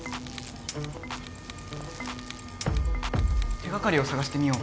手がかりをさがしてみよう。